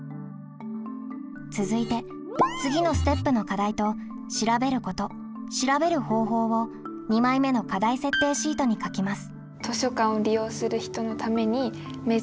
続いて次のステップの課題と「調べること」「調べる方法」を２枚目の課題設定シートに書きます。